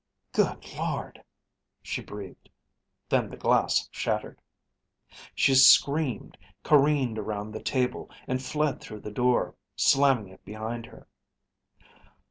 "Good lord," she breathed. Then the glass shattered. She screamed, careened around the table, and fled through the door, slamming it behind her.